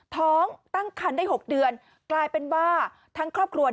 ท้องตั้งคันได้๖เดือนกลายเป็นว่าทั้งครอบครัว